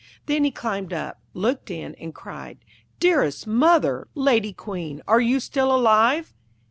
Then he climbed up, looked in, and cried, 'Dearest mother, lady Queen, are you still alive?'